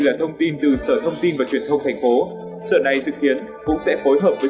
đây là thông tin từ sở thông tin và truyền thông thành phố sở này dự kiến cũng sẽ phối hợp với